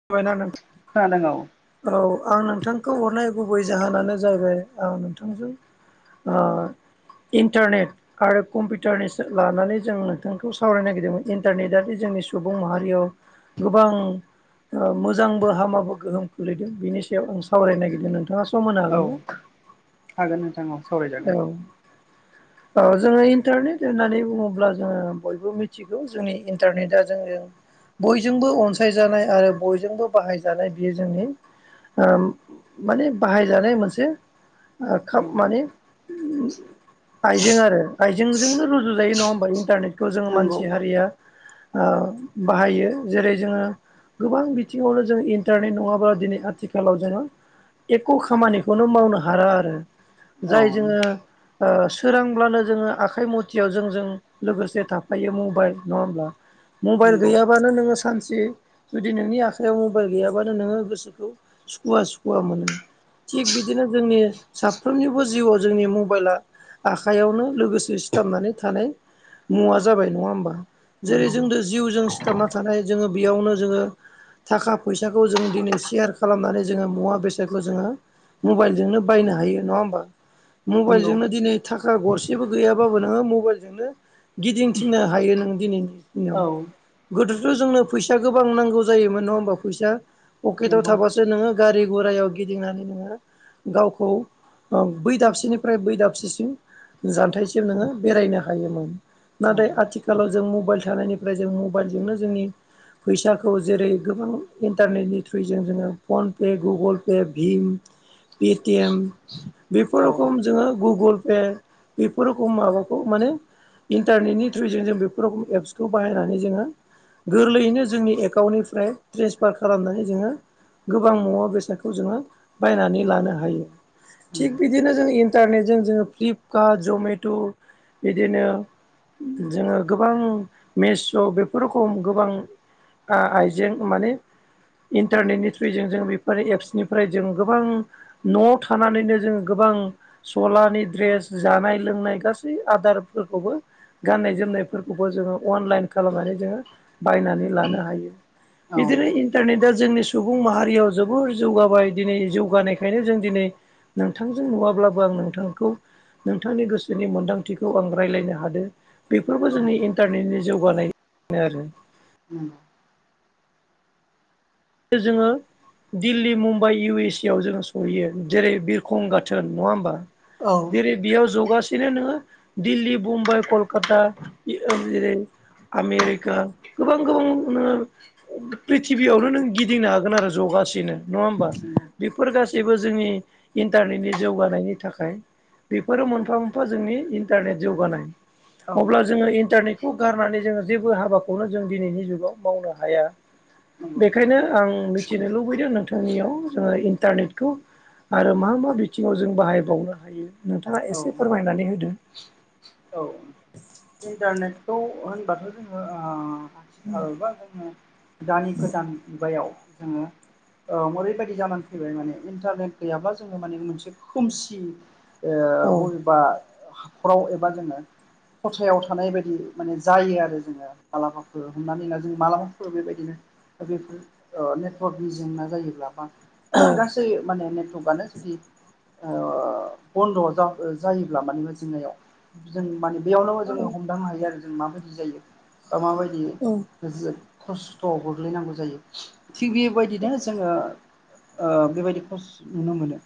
[unintelligible] खोनादों औ। औ आं नोंथांखौ हरनाय गुबै जाहोनानो जाहैबाय आं नोंथांजों ओ इन्टारनेट आरो कम्पिउटारनिसो लानानै जों नोंथांखौ सावरायनो नागिरदोंमोन इन्टारनेट आनो जोंनि सुबुं माहारियाव गोबां ओ मोजांबो हामाबो गोहोम खोलैदों बिनि सायाव आं सावरायनो नागिरदों नोंथाङा सम होनो औ हागोन ना? हागोन नोंथां औ औ सावरायजागोन। औ जोङो इन्टारनेट होननानै बुङोब्ला जोङो बयबो मि थिगौ जोंनि इटारनेट आ जोंजों बयजोंबो अनसाय जानाय आरो बयजोंबो बाहायजानाय बेयो जोंनि ओ माने बाहायजानाय मोनसे ओ औ खामानि आइजें आरो आयजेंजोंनो रुजु जायो नङा होनबा इन्टारनेट खौ जोङो नंगौ मानसि हारिया ओ बाहायो जेरै जोङो गोबां बिथिङावनो जोंङ इन्टारनेट नङाब्ला दिनै आथिखालाव जोङो एख' खामानिखौनो मावनो हारा आरो औ जाय जोङो ओ सोरांब्लानो जोङो आखाइ मथियाव जों जों लोगोसे थाफायो मबाइल नङा होमब्ला मबाइल नंगौ गैयाबानो नोङो सानसे जुदि नोंनि आखाइायाव मबाइल गैयाबानो नोङो गोसोखौ सुखुवा सुखुवा मोनो थिग बिदिनो जोंनि साफ्रोमनिबो जिउआव जोंनि मबाइला आखाइयावनो लोगोसे सिथाबनानै थानाय मुवा जाबाय नङा होमबा जेरै नंगौ जोंद जिउजों सिथाबना थानाय जोङो बेयावनो जोङो थाखा फैसाखौ जों दिनै सेयार खालामनानै जोङो मुवा बेसादखौ जोङो मबाइलजोंनो बायनो हायो नङा होमबा नंगौ मबाइलजोंनो दिनै थाखा गरसेबो गैयाबाबो नोङो मबाइलजोंनो गिदिंथिनो हायो नों दिनैनि औ गोदोथ' जोंनो फैसा गोबां नांगौ जायोमोन नङा होमबा फैसा पकेटाव नंगौ थाबासो नोङो गारि घरायाव गिदिंनानै नोङो गावखौ बै दाबसेनिफ्राय बै दाबसेसिम जानथायाइसिम नोङो बेरायनो हायोमोन औ नाथाय आथिखालाव जों मबाइल थानायनिफ्राय जों मबाइलजोंनो जोंनि फैसाखौ जेरै गोबां इन्टारनेटनि थ्रुयजों जोङो फनपे गुगोल पे भिम पेटिएम बेफोर औ रोखम जोङो गुगोल पे बेफोरखौ माबाखौ माने इन्टारनेटनि थ्रुजों जों बेफोर र एप्सखौ बाहायनानै जोङो गोरलैयैनो जों जोंनि एकाउन्टनिफ्राय ट्रेन्सफार खालामनानै जोङो गोबां मुवा बेसादखौ जोङो बायनानै लानो हायो थिग नंगौ बिदिनो जों इन्टारनेटजों जोङो फ्लिपकार्ट जमेट' बिदिनो जोङो गोबां मेस' बेफोर रखम गोबां आइजें माने इन्टारनेटनि थ्रुयजों जों बेफोर एप्सनिफ्राय जों गोबां न'आव थानानैनो जोङो गोबां सलानि दड्रेस जानाय लोंनाय गासै आदारफोरखौबो गाननाय जोमनायफोरखौबो जोङो अनलाइन खालामनानै जोङो बायनानै लानो हायो औ बिदिनो इन्टारनेटआ जोंनि सुबुं माहारियाव जोबोर जौगाबाय दिनै जौगानायखायनो जों दिनै नोंथांजों नुवाब्लाबो आं नोंथांखौ नोंथांनि गोसोनि मोन्दांथिखौ आं रायज्लायनो हादों बेफोरबो जोंनि औ इन्टारनेटनि जौगानायो आरो उम जोङो Delhi Mumbai U S A आव जोङो सहैयो जेरै बिरखं गाथोन नङा होमबा औ जेरै बेयाव जगासिनो नोङो दिल्ली बुम्बाइ कलकाता जेरै आमेरिका गोबां गोबां नो प्रिथिबियावनो नों गिदिंनो हागोन आरो जगासिनो नङा होमबा नंगौ बेफोर गासैबो जोंनि इन्टारनेटनि जौगानायनि थाखाय। बेफोरो मोनफा मोनफा जोंनि इन्टारनेट जौगानाय। औ अब्ला जोङो इन्टारनेटखौ गारनानै जोङो जेबो हाबाखौनो जों दिनैनि जुगाव मावनो हाया। नंगौ बेखायनो आं मिथिनो लुबैदों नोंथांनियाव जोङो इन्टारनेटखौ। आरो मा मा बिथिङाव जों बाहायबावनो हायो नोंथाङा औ एसे फोरमायनानै होदों। औ। इन्टारनेटखौ होनबाथ' जोङो ओ आथिखाल बा जोङो। दानि गोदान मुगायाव जोङो। औ ओरैबायदि जामानानै फैबाय माने इन्टारनेट गैयाब्ला जोङो माने मोनसे खोमसि। ओ औ बबेबा हाखराव एबा जोङो। खथायाव थानाय बायदि माने जायो आरो जोङो मालाबाफोर हमनानै होनना जों मालाबाफोर बेबायदिनो। बेफोर नेटवर्कगनि जेंना जायोब्ला औ बा गासैबो। माने नेटवर्कआनो जुदि। ओ बन्द' जायोब्ला मानेबा जिंनायाव जों माने। बेयावनोबो जोङो हमदांनो हायो आरो जों माबायदि जायो बा माबायदि औ। खस्थ'आव गोग्लैनांगौ जायो थिग बेबायदिनो जोङो। ओ बेबायदि खस‌‌ नुनो मोनो।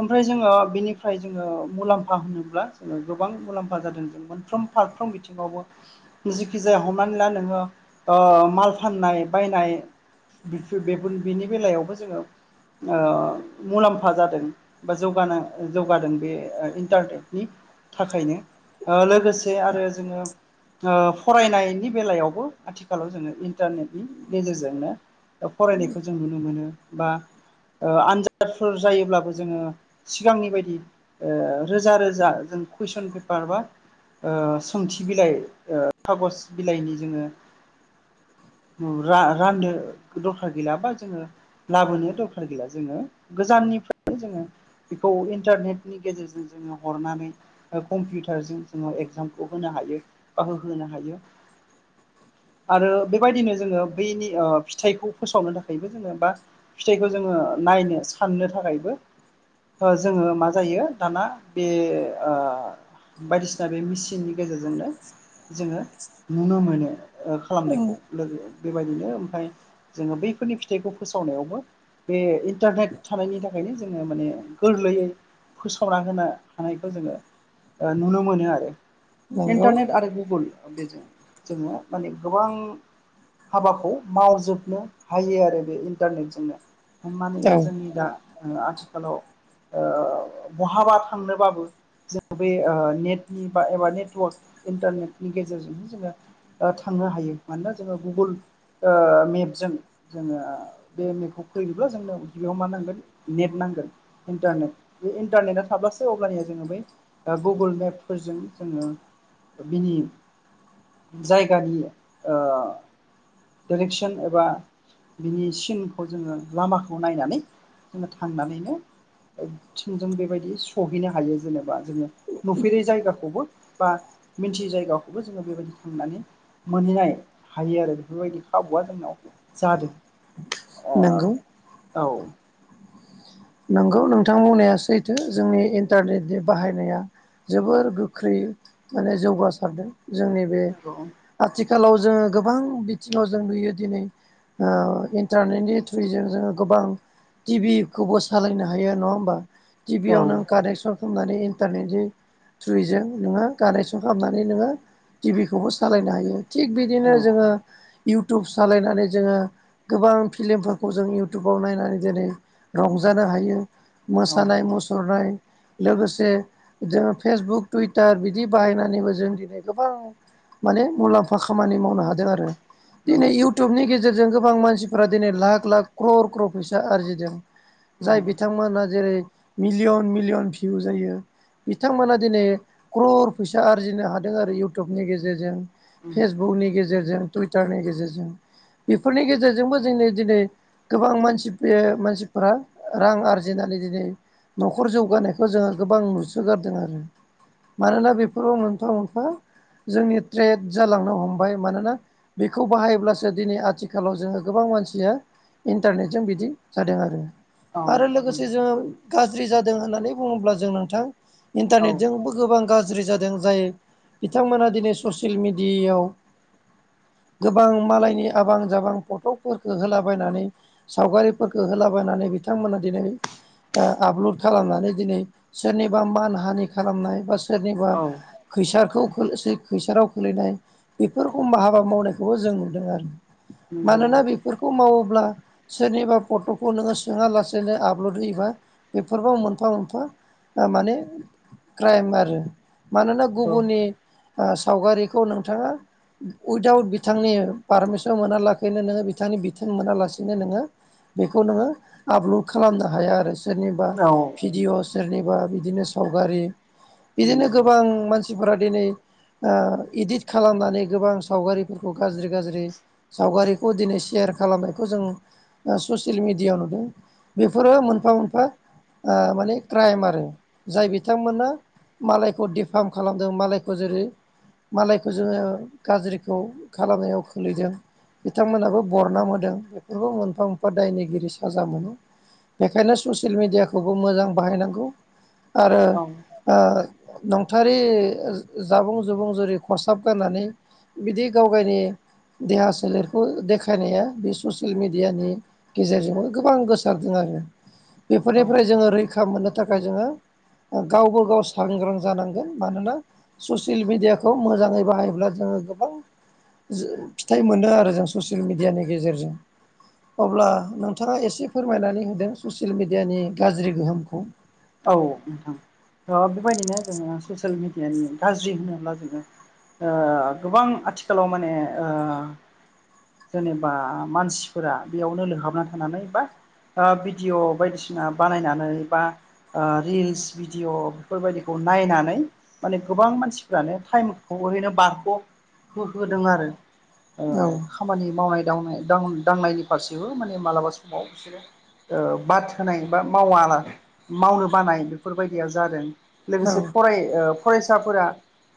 ओमफ्राय जोङो बेनिफ्राय जोङो मुलाम्फा होनोब्ला जोङो गोबां मुलाम्फा जादों। फ्रोम फारफ्रोम बिथिङावबो। जिखि जाया हमनानै ला नोङो माल फाननाय बायनाय। बेफोर‌ बेफोर‌ बेनि बेलायावबो जोङो ओ मुलाम्फा जादों। बा जौगानो जौगादों बे इन्टारनेटनि थाखायनो लोगोसे आरो जोङो फरायनायनि बेलायावबो आथिखालाव जोङो। इन्टारनेटनि गेजेरजोंनो फरायनायखौ जों नुनो मोनो बा। ओ आनजादफोर जायोब्लाबो जोङो सिगांनि बायदि ओ रोजा रोजा जों कुइसन पेपार बा। ओ सोंथि बिलाइ ओ खागज बिलाइनि जोङो रा-राननो दरखार गैला बा जोङो। लाबोनो दरखार गैया जोङो गोजाननिफ्रायनो जोङो। बेखौ इन्टारनेटनि गेजेरजों जोङो हरनानै कम्पिउटारजों जोङो दामखौ होनो हायो बा होहोनो हायो आरो बेबायदिनो जोङो बैनि फिथाइखौ फोसावनो थाखायबो जोङो बा। फिथाइखौ जोङो नायनो साननो थाखायबो। ओ जोङो मा जायो दाना बे ओ बायदिसिना बे मिसिन नि गेजेरजोंनो जोङो नुनो मोनो औ खालामनायखौ। लोगो बेबायदिनो ओमफ्राय जोङो बैफोरनि फिथाइखौ फोसावनायावबो बे इन्टारनेट थानायनि थाखायनो जोङो माने गोरलैयै फोसावना होनो हानायखौ जोङो नुनो मोनो आरो नंगौ इन्टारनेट आरो गुगोल बेजों जोङो माने गोबां हाबाखौ मावजोबनो हायो आरो बे इन्टारनेटजोंनो। हमनानै ला औ जोंनि दा आथिखालाव। ओ बहाबा थांनोबाबो जोङो बे नेटनि बा एबा ने। नेटवर्क इन्टारनेटनि गेजेरजोंनो जोङो थांनो हायो मानोना जोङो गुगोल ओ मेपजों जोङो बे मेपखौ खुलिनोबो जोंनों बेयाव मा नांगोन नेट नांगोन। इन्टारनेट बे इन्टारनेटआ थाब्लासो अब्लानिया जोङो बै गुगोल मेपफोरजों जोङो बिनि जायगानि ओ। टेलेकसन एबा। बिनि सिनखौ जोङो लामाखौ नायनानै जोङो थांनानैनो। थिंजों बेबायदि सहैनो हायो जेनेबा जोङो नुफेरै जायगाखौबो। बा मिथियै जायगाखौबो जोङो बेबायदि थांनानै मोनहैनाय हायो आरो बेफोरबायदि खाबुआ जोंनाव जादो नोंगौ औ नंगौ नोंथां बुंनाया सैथो जोंनि इन्टारनेटनि बाहायनाया जोबोर गोख्रै माने जौगासारदों जोंनि बे आथिखालाव जोङो गोबां बिथिङाव जों नुयो दिनै ओ इन्टारनेटनि थ्रुयैजों जोङो गोबां टिभिखौबोस सालायनो हायो नङा होमबा औ टिभियाव नों कानेक्सन खालामनानै इन्टारनेटनि थ्रुयैजों नोङो खानेक्सन खालामनानै नोङो टिभिखौबो सालायनो हायो थिग बिदिनो औ नंगौ औ जोङो इउटुब सालायनानै जोङो गोबां फिलिमफोरखौ जों इउटुबाव नायनानै दिनै रंज जानो हायो औ मोसानाय मुसुरनाय लोगोसे जोङो फेसबुक टुइटार बिदि बाहायनानैबो जों दिनै गोबां माने मुलाम्फा खामानि मावनो हादों आरो दिनै नंगौ इउटुबनि गेजेरजों गोबां मानसिफोरा दिनै लाख लाख क्र क्र फैसा आरजिदों। औ जाय बिथांमोनहा जेरै मिलियन मिलियन भिउ जायो। बिथांमोना दिनै क्रर फैसा आरजिनो हादों आरो इयउटुबनि गेजेरजों। फेसबुकनि गेजेरजों टुइटारनि गेजेरजों बेफोरनि गेजेरजोंबो जोंनि दिनै गोबां मानसिफेयो मानसिफोरा रां आरजिनानै दिनै न'खर जौगानायखौ जोङो गोबां नुसोगारदों आरो मानोना बेफोरबो मोनफा मोनफा जोंनि ट्रेड जालांनो हमबाय मानोना बेखौ बाहायब्लासो दिनै आथिखालाव जोङो गोबां मानसिया इन्टारनेटजों बिदि जादों आरो औ आरो लोगोसे नंगौ जोङो गाज्रि जादों होननानै बुङोब्ला जों नोंथां औ इन्टारनेटजोंबो गोबां गाज्रि जादों जाय बिथांमोना दिनै ससियेल मिडिया याव गोबां मालायनि आबां जाबां फट'फोरखौ होलाबायनानै सावगारिफोरखौ होलाबायनानै बिथांमोना दिनै ओ आपलड खालामनानै दिनै सोरनिबा मान हानि खालामनाय बा सोरनिबा औ खैसारखौ खोल सा खैसाराव खोलैनाय बेफोरखौ मा हाबा मावनायखौबो जों नुदों आरो मानोना बेफोरखौ मावोब्ला सोरनिबा फट'खौ नोङोस जोंहा लासैैनो आपलड होयोबा बेफोरबो मोनफा मोनफा ओ माने क्राइम आरो मानोना गुबुननि ओ सावगारिखौ नोंथाङा उइदाउट बिथांनि पारमिसन मोना लाखिनो नोङो बिथांनि बिथोन मोनालासिनो नोङो बेखौ नोङो आपल'ड खालामनो हाया आरो सोरनिबा भिडिअ' सोरनिबा बिदिनो सावगारि बिदिनो नंगौ गोबां मानसिफोरा दिनै ओ इदिट खालामनानै गोबां सावगारिफोरखौ गाज्रि गाज्रि सावगारिखौ दिनै सेयार खालामनायखौ जों ओ ससियेल मिडियाव नुदों। बेफोरो मोनफा मोनफा ओ माने क्राइम आरो जाय बिथांमोना मालायखौ दिफार्म खालामदों मालायखौ जेरै मालायखौ जोङो गाज्रिखौ खालामनायाव खोलैदों। बिथांमोनाबो बरनाम होदों बेफोरखौ मोनफा मोनफा दायनिगिरि साजा मोनो। बेखायनो ससियेल मिडियाखौबो मोजां बाहायनांगौ आरो औ ओ नंथारै जाबुं जुबुं जेरै खसाब गारनानै बिदि गावगायनि देहा सोलेरखौ देखायनाया बे ससियेल मेडियानि गेजेरजोंबो गोबां गोस सारदों आरो औ बेफोरनिफ्राय जोङो रैखा मोननो थाखाय जोङो ओ गावबो गाव सांग्रां जानांगोन मानोना ससियेल मिडियाखौ मोजाङै बाहायोब्ला जोङो गोबां जो फिथाइ मोनो आरो जों ससियेल मिडियानि गेजेरजों अब्ला नोंथाङा एसे फोरमायनानै होदो ससियेल मिडियानि गाज्रि गोहोमखौ। औ नोंथां थ' बेबायदिनो जोङो ससियेल मिडियानि गाज्रि होनोब्ला जोङो ओ गोबां आथिखालाव माने ओ जेनेबा मानसिफोरा बेयावनो लोंहाबना थानानै बा ओ भिडिअ' बायदिसिना बानायनानै बा ओ रिल्स भिडिअ' बेफोरबायदिखौ नायनानै माने गोबां मानसिफ्रानो टाइमखौ ओरैनो बारग' हो-होदों आरो ओ औ ओ खामानि मावनाय दावनाय दां-दांनायनि फारसेबो माने मालाबा समाव बिसोरो ओ बाद होनाय बा मावाला मावनो बानाय बेफोर बायदिया जादों औ लोगोसे फराय ओब फरायसाफोरा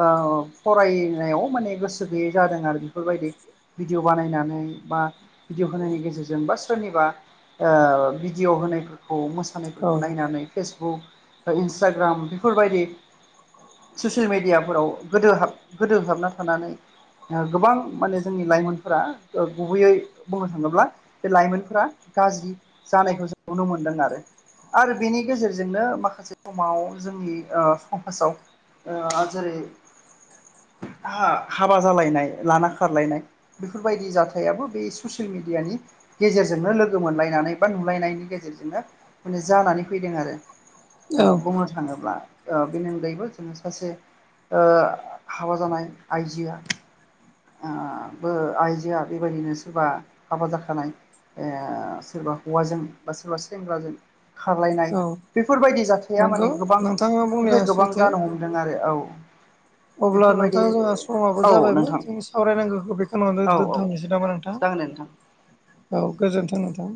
ओ फरायनायाव माने गोसो गैयै जादों आरो बिफोरबायदि भिडिअ बानायनानै बा भिदिअ होनायनि गेजेरजों बा सोरनिबा ओ भिडिअ होनायफोरखौ मोसानाय औ नायनानै फेसबुक इन्सटाग्राम बेफोरबायदि ससियेल मेडियाफोराव गोदो हाब गोदो हाबना थानानै ओ गोबां माने जोंनि लाइमोनफोरा ओ गुबैयै बुंनो थाङोब्ला बे लाइमोनफोरा गाज्रि जानायखौ जों नुनो मोनदों आरो आरो बेनि गेजेरजोंनो माखासे समाव जोंनि ओ समाजाव ओ जेरै- हा-हाबा जालायनाय लाना खारलायनाय बेफोरबायदि जाथायाबो बे ससियेल मिडियानि गेजेरजोंनो लोगो मोनलायनानै बा नुलायनायनि गेजेरजोंनो माने जानानै फैदों आरो औ बुंनो थाङोब्ला बेनि अनगायैबो जोङो सासे ओ हाबा जानाय आइजोआ ओ बो आइजोआ बेबायदिनो सोरबा हाबा जाखानाय ओ सोरबा हौवाजों बा सोरबा सेंग्राजों खारलायनाय औ बेफोरबायदि जाथाया नंगौ माने नोंथाङा बुंनाया गोबांनिफ्राय गोबां सैथो जानो हमदों आरो औ अब्ला बेफोरबायदि नोंथां जोंहा समाबो औ जाबायमोन नोंथां जों सावरायनांगौखौ बेखिनियावनो दो-दोनथ'नोसै नामा नोंथां? जागोनदे नोंथां। औ गोजोन्थों नोंथां।